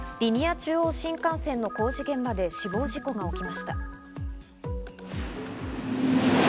中央新幹線の工事現場で死亡事故が起きました。